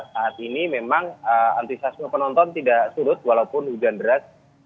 saat ini memang antusiasnya penonton tidak sudut walaupun hujan beras